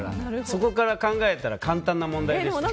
そこから考えたら簡単な問題でした。